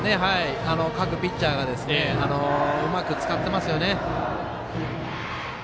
各ピッチャーがうまく使ってますよね。